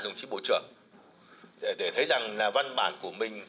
đồng chí bộ trưởng để thấy rằng là văn bản của mình